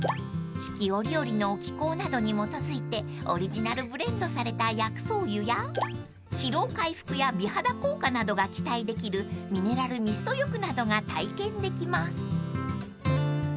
［四季折々の気候などに基づいてオリジナルブレンドされた薬草湯や疲労回復や美肌効果などが期待できるミネラルミスト浴などが体験できます］